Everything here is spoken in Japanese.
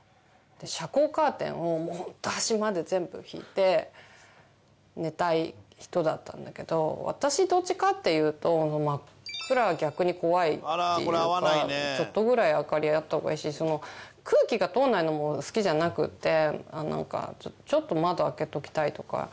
遮光カーテンをホント端まで全部引いて寝たい人だったんだけど私どっちかっていうと真っ暗は逆に怖いっていうかちょっとぐらい明かりがあった方がいいし空気が通らないのも好きじゃなくてちょっと窓開けておきたいとか。